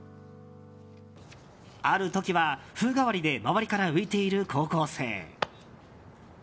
ある時は、風変わりで周りから浮いている高校生。